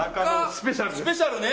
スペシャルね。